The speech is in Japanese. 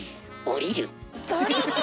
降りる！